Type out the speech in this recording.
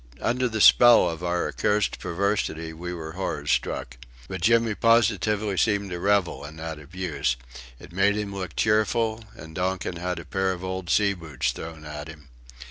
Under the spell of our accursed perversity we were horror struck. But Jimmy positively seemed to revel in that abuse. It made him look cheerful and Donkin had a pair of old sea boots thrown at him.